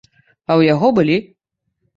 А ў яго былі.